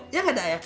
ya gak dayak